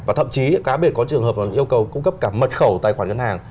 và thậm chí có trường hợp yêu cầu cung cấp cả mật khẩu tài khoản ngân hàng